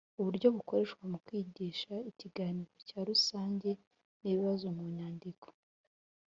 Uburyo bukoreshwa mu kwigisha ikiganiro cya rusange n ibibazo mu nyandiko